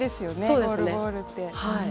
ゴールボールって。